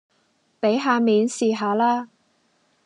俾下面試下啦